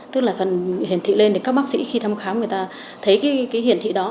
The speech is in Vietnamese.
tức là phần hiển thị lên thì các bác sĩ khi thăm khám người ta thấy cái hiển thị đó